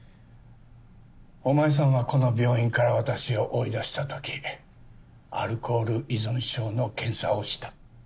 お前さんはこの病院から私を追い出した時アルコール依存症の検査をした。